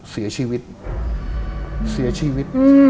เสียชีวิตเสียชีวิต